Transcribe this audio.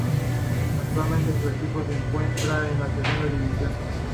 Actualmente su equipo se encuentra en la segunda división nacional.